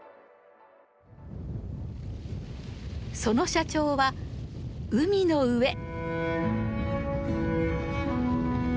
その社長は海の上。